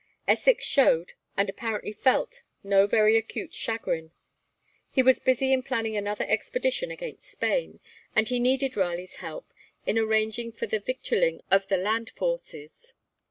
Essex showed, and apparently felt, no very acute chagrin. He was busy in planning another expedition against Spain, and he needed Raleigh's help in arranging for the victualling of the land forces.